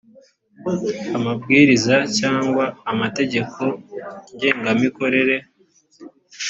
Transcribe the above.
amabwiriza cyangwa amategeko ngengamikorere